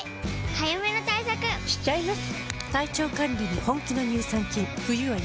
早めの対策しちゃいます。